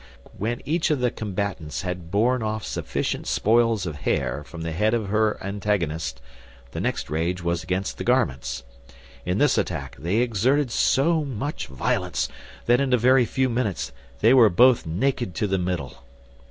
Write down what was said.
When each of the combatants had borne off sufficient spoils of hair from the head of her antagonist, the next rage was against the garments. In this attack they exerted so much violence, that in a very few minutes they were both naked to the middle.